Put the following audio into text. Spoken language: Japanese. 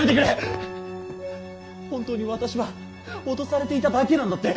本当に私は脅されていただけなんだって。